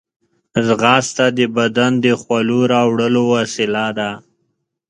ځغاسته د بدن د خولو راوړلو وسیله ده